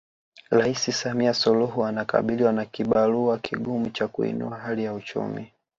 ais Samia Suluhu anakabiliwa na kibarua kigumu cha kuinua hali ya uchumi